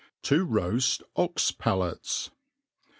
« To roaft Ox Palates.